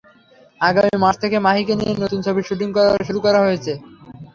আগামী মার্চ থেকে মাহিকে নিয়ে নতুন ছবির শুটিং শুরু হওয়ার কথা আছে।